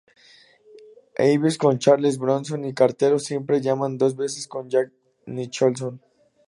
Ives" con Charles Bronson y "El cartero siempre llama dos veces" con Jack Nicholson.